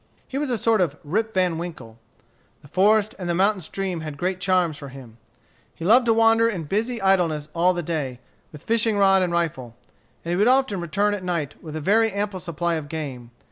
He was a sort of Rip Van Winkle. The forest and the mountain stream had great charms for him. He loved to wander in busy idleness all the day, with fishing rod and rifle; and he would often return at night with a very ample supply of game.